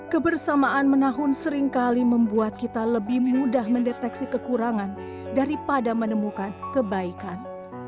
kebersamaan menahun seringkali membuat kita lebih mudah mendeteksi kekurangan daripada menemukan kebaikan